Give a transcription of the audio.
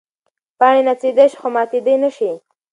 پاڼه نڅېدی شي خو ماتېدی نه شي.